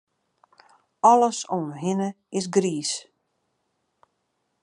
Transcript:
Alles om him hinne is griis.